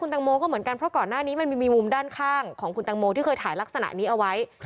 ตังโมก็เหมือนกันเพราะก่อนหน้านี้มันมีมุมด้านข้างของคุณตังโมที่เคยถ่ายลักษณะนี้เอาไว้